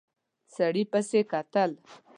سړي پسې کتل.